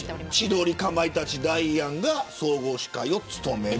千鳥、かまいたち、ダイアンが総合司会を務める。